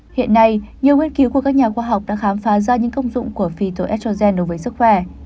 hiện nay nhiều nguyên cứu của các nhà khoa học đã khám phá ra những công dụng của phyto estrogen đối với sức khỏe